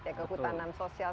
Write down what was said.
teka kehutanan sosial